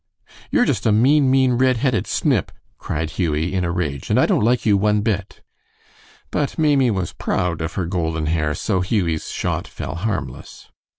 "You're just a mean, mean, red headed snip!" cried Hughie, in a rage, "and I don't like you one bit." But Maimie was proud of her golden hair, so Hughie's shot fell harmless.